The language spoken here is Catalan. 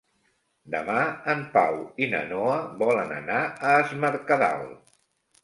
Demà en Pau i na Noa volen anar a Es Mercadal.